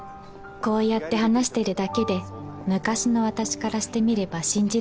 こうやって話してるだけで昔の私からしてみれば信じられない事